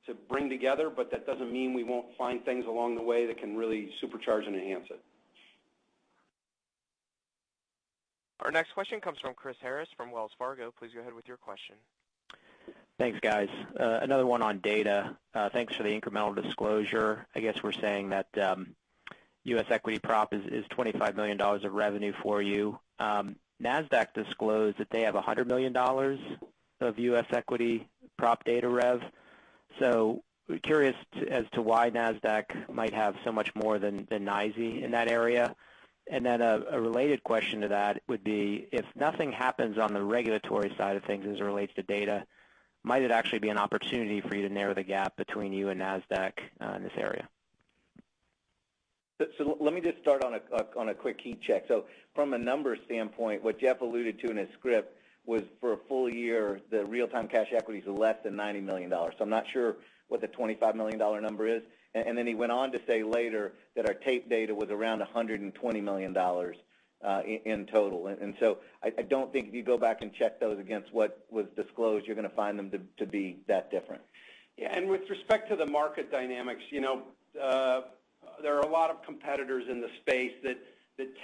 to bring together, that doesn't mean we won't find things along the way that can really supercharge and enhance it. Our next question comes from Chris Harris from Wells Fargo. Please go ahead with your question. Thanks, guys. Another one on data. Thanks for the incremental disclosure. I guess we're saying that U.S. equity prop is $25 million of revenue for you. Nasdaq disclosed that they have $100 million of U.S. equity prop data rev. Curious as to why Nasdaq might have so much more than NYSE in that area. A related question to that would be, if nothing happens on the regulatory side of things as it relates to data, might it actually be an opportunity for you to narrow the gap between you and Nasdaq in this area? Let me just start on a quick key check. From a numbers standpoint, what Jeff alluded to in his script was for a full year, the real-time cash equities are less than $90 million. I'm not sure what the $25 million number is. Then he went on to say later that our tape data was around $120 million in total. I don't think if you go back and check those against what was disclosed, you're going to find them to be that different. Yeah. With respect to the market dynamics, there are a lot of competitors in the space that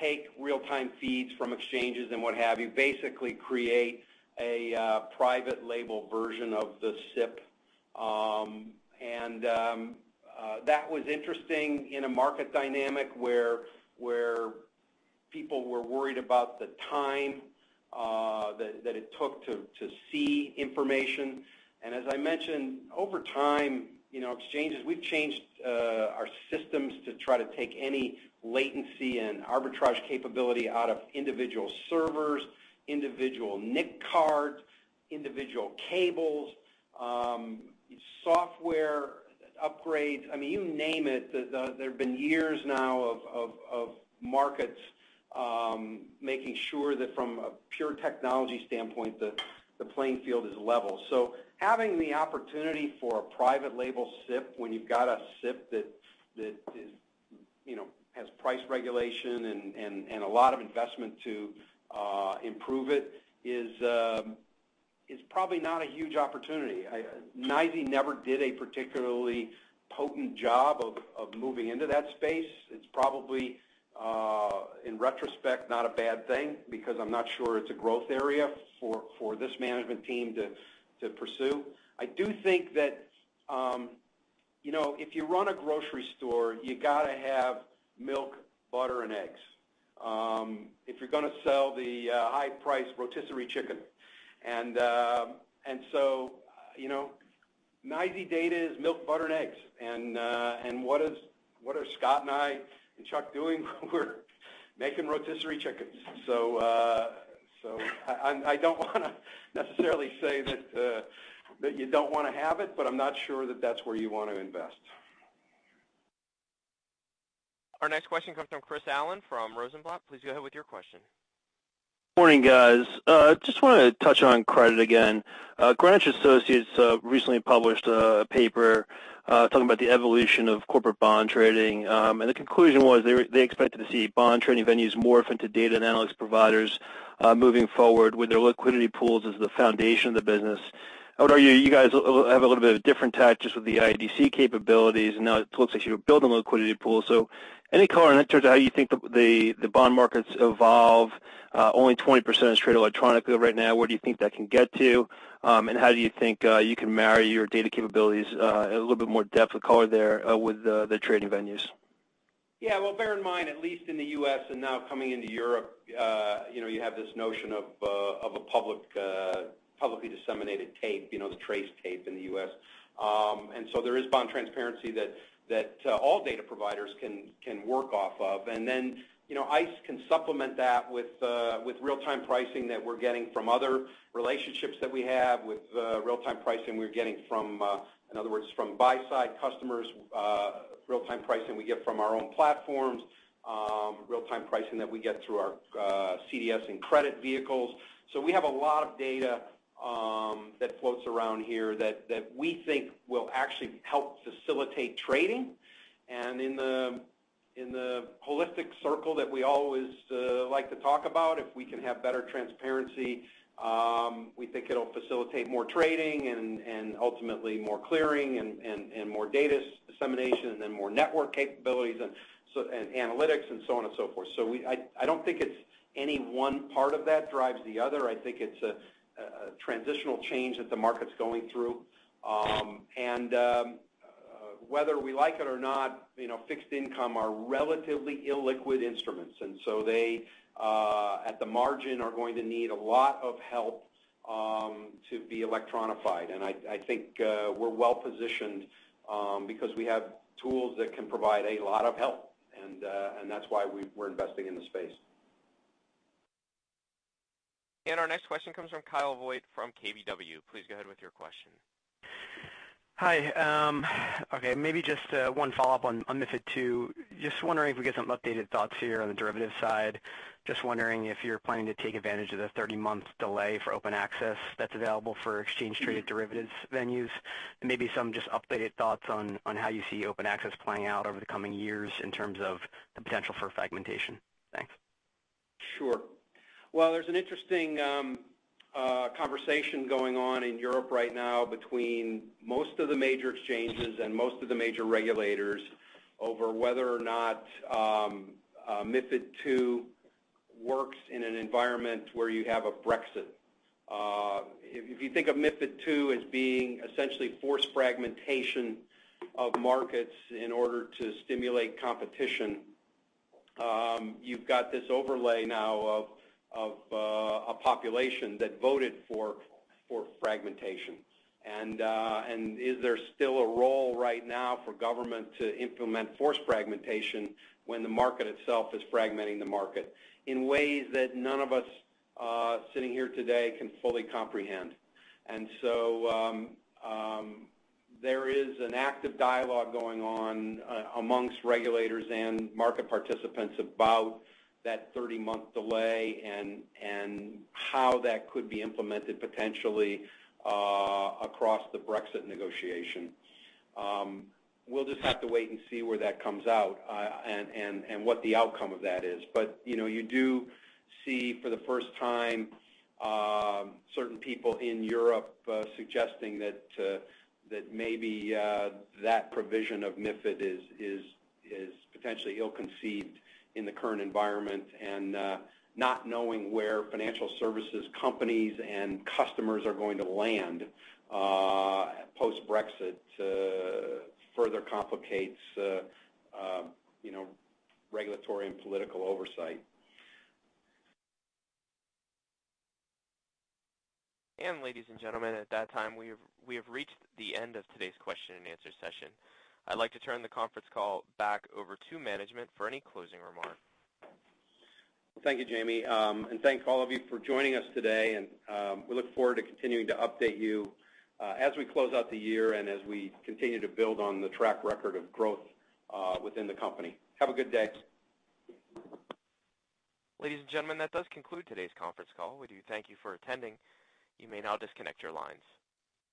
take real-time feeds from exchanges and what have you, basically create a private label version of the SIP. That was interesting in a market dynamic where people were worried about the time that it took to see information. As I mentioned, over time, exchanges, we've changed our systems to try to take any latency and arbitrage capability out of individual servers, individual NIC cards, individual cables, software upgrades, you name it. There have been years now of markets making sure that from a pure technology standpoint, the playing field is level. Having the opportunity for a private label SIP, when you've got a SIP that has price regulation and a lot of investment to improve it is probably not a huge opportunity. NYSE never did a particularly potent job of moving into that space. It's probably, in retrospect, not a bad thing, because I'm not sure it's a growth area for this management team to pursue. I do think that if you run a grocery store, you got to have milk, butter, and eggs. If you're going to sell the high-price rotisserie chicken. NYSE data is milk, butter, and eggs. What are Scott and I and Chuck doing? We're making rotisserie chickens. I don't want to necessarily say that you don't want to have it, but I'm not sure that that's where you want to invest. Our next question comes from Chris Allen from Rosenblatt. Please go ahead with your question. Morning, guys. Just want to touch on credit again. Greenwich Associates recently published a paper talking about the evolution of corporate bond trading. The conclusion was they expected to see bond trading venues morph into data analytics providers moving forward with their liquidity pools as the foundation of the business. I would argue you guys have a little bit of a different tact just with the IDC capabilities, now it looks like you're building liquidity pools. Any color in terms of how you think the bond markets evolve? Only 20% is traded electronically right now. Where do you think that can get to? How do you think you can marry your data capabilities, a little bit more depth of color there, with the trading venues? Well, bear in mind, at least in the U.S. and now coming into Europe, you have this notion of a publicly disseminated tape, the TRACE tape in the U.S. There is bond transparency that all data providers can work off of. Then, ICE can supplement that with real-time pricing that we're getting from other relationships that we have, with real-time pricing we're getting from, in other words, from buy side customers, real-time pricing we get from our own platforms, real-time pricing that we get through our CDS and credit vehicles. We have a lot of data that floats around here that we think will actually help facilitate trading. In the holistic circle that we always like to talk about, if we can have better transparency, we think it'll facilitate more trading and ultimately more clearing and more data dissemination then more network capabilities and analytics and so on and so forth. I don't think it's any one part of that drives the other. I think it's a transitional change that the market's going through. Whether we like it or not, fixed income are relatively illiquid instruments, they, at the margin, are going to need a lot of help to be electronified. I think we're well-positioned because we have tools that can provide a lot of help, and that's why we're investing in the space. Our next question comes from Kyle Voigt from KBW. Please go ahead with your question. Hi. Maybe just one follow-up on MiFID II. Just wondering if we get some updated thoughts here on the derivatives side. Just wondering if you're planning to take advantage of the 30-month delay for open access that's available for exchange traded derivatives venues, and maybe some just updated thoughts on how you see open access playing out over the coming years in terms of the potential for fragmentation. Thanks. Sure. There's an interesting conversation going on in Europe right now between most of the major exchanges and most of the major regulators over whether or not MiFID II works in an environment where you have a Brexit. If you think of MiFID II as being essentially forced fragmentation of markets in order to stimulate competition, you've got this overlay now of a population that voted for fragmentation. Is there still a role right now for government to implement forced fragmentation when the market itself is fragmenting the market in ways that none of us sitting here today can fully comprehend? There is an active dialogue going on amongst regulators and market participants about that 30-month delay and how that could be implemented potentially across the Brexit negotiation. We'll just have to wait and see where that comes out and what the outcome of that is. You do see, for the first time, certain people in Europe suggesting that maybe that provision of MiFID is potentially ill-conceived in the current environment. Not knowing where financial services companies and customers are going to land post-Brexit further complicates regulatory and political oversight. Ladies and gentlemen, at that time, we have reached the end of today's question and answer session. I'd like to turn the conference call back over to management for any closing remark. Thank you, Jamie. Thank all of you for joining us today. We look forward to continuing to update you as we close out the year and as we continue to build on the track record of growth within the company. Have a good day. Ladies and gentlemen, that does conclude today's conference call. We do thank you for attending. You may now disconnect your lines.